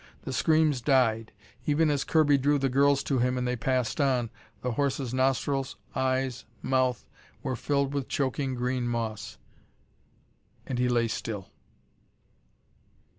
The screams died. Even as Kirby drew the girls to him and they passed on, the horse's nostrils, eyes, mouth were filled with choking green moss; and he lay still.